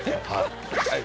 はい。